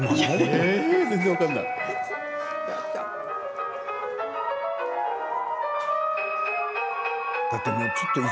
全然分からない。